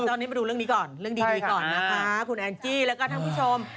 ตอนนี้มาดูเรื่องนี้ก่อนเรื่องดีก่อนนะคะคุณแอนจี้แล้วก็ท่านผู้ชม